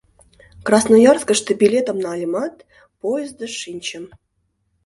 — Красноярскыште билетым нальымат, поездыш шинчым.